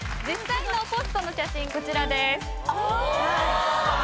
実際のポストの写真こちらです。